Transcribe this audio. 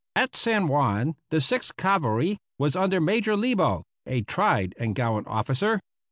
At San Juan the Sixth Cavalry was under Major Lebo, a tried and gallant officer.